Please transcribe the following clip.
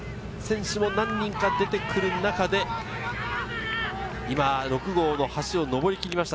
ここで始める選手も何人か出てくる中で今、六郷の橋を上り切りました。